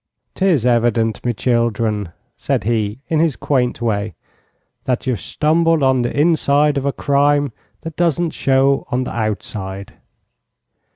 "'Tis evident, me children," said he, in his quaint way, "that you've shtumbled on the inside of a crime that doesn't show on the outside.